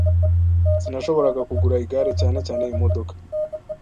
Sinashoboraga kugura igare, cyane cyane imodoka.